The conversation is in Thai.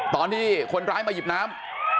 ตอนที่คนร้ายมาหยิบน้ำ